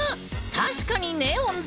確かにネオンだ！